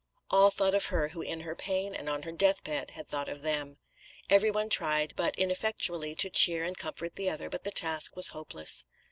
All thought of her who in her pain and on her deathbed had thought of them. Every one tried, but ineffectually, to cheer and comfort the other, but the task was hopeless.